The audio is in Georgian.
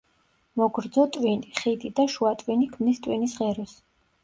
მოგრძო ტვინი, ხიდი და შუა ტვინი ქმნის ტვინის ღეროს.